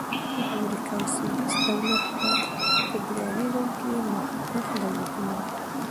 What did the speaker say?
د امریکا او سویس دولت په فدرالیزم کښي مخکښ دولتونه دي.